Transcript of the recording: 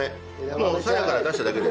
もうさやから出しただけです。